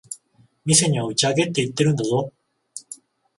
店には打ち上げって言ってるんだぞ。